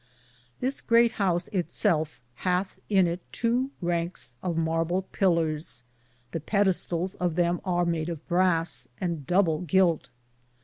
This pfreat house it selfe hathe in it tow rankes of marble pillors ; the pettestales (pedestals) of them ar made of brass, and double gilte.